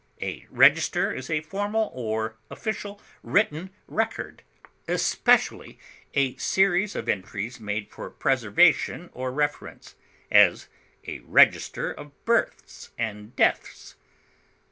A register is a formal or official written record, especially a series of entries made for preservation or reference; as, a register of births and deaths.